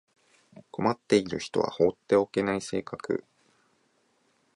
困っている人は放っておけない性格